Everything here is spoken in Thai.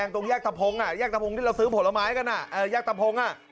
ตรงแยกตำพงอ่ะแยกตำพงที่เราซื้อผลไม้กันอ่ะเอ่อแยกตำพงอ่ะ